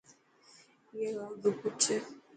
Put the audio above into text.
اي رو اگھه پوڇ.